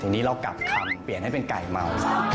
ทีนี้เรากลับคำเปลี่ยนให้เป็นไก่เมา